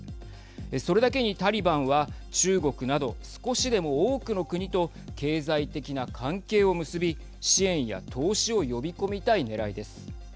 それだけにタリバンは中国など、少しでも多くの国と経済的な関係を結び支援や投資を呼び込みたいねらいです。